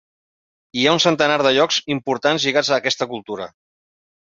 Hi ha un centenar de llocs importants lligats a aquesta cultura.